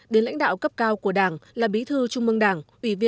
đến lãnh đạo cấp cao của đảng là bí thư trung mương đảng